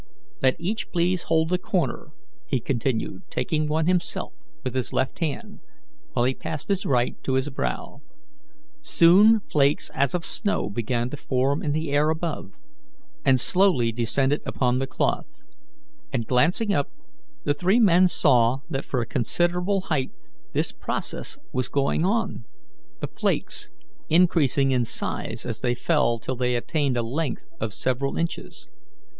Let each please hold a corner," he continued, taking one himself with his left hand, while he passed his right to his brow. Soon flakes as of snow began to form in the air above, and slowly descended upon the cloth; and, glancing up, the three men saw that for a considerable height this process was going on, the flakes increasing in size as they fell till they attained a length of several inches.